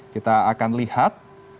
kita akan lihat